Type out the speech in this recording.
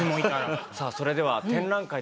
さあそれでは展覧会でですね